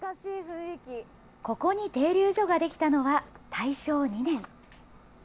ここに停留所が出来たのは大正２年。